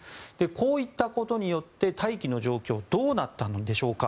こういったことによって大気の状況どうなったんでしょうか。